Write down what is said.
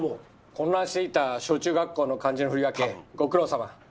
混乱していた小中学校の漢字の振り分けご苦労さま。